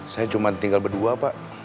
saya cuma tinggal berdua pak